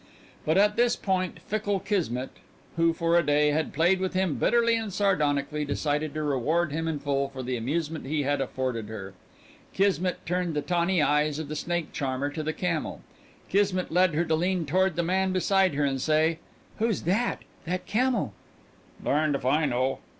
But at this point fickle Kismet, who for a day had played with him bitterly and sardonically, decided to reward him in full for the amusement he had afforded her. Kismet turned the tawny eyes of the snake charmer to the camel. Kismet led her to lean toward the man beside her and say, "Who's that? That camel?" "Darned if I know."